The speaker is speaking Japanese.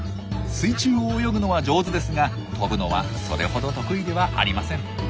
水中を泳ぐのは上手ですが飛ぶのはそれほど得意ではありません。